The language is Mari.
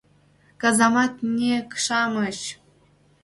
КАЗАМАТНЬЫК-ШАМЫЧ